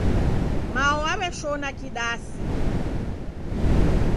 Mao waweshona kidasi